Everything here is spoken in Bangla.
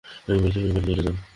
আমি বলছি, এখুনি গড়িয়ে চলে যাও।